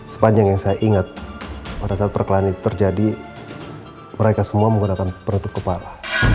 sepanjang yang saya ingat pada saat perkelahan itu terjadi mereka semua menggunakan penutup kepala